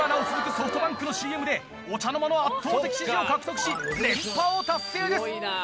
ソフトバンクのＣＭでお茶の間の圧倒的支持を獲得し連覇を達成です！